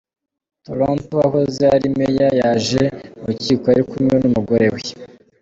Thornton wahoze ari meya yaje mu rukiko ari kumwe n’umugore we.